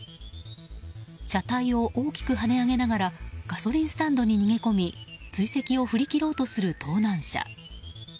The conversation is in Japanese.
車体を大きく跳ね上げながらガソリンスタンドに逃げ込み追跡を振り切ろうとする盗難車。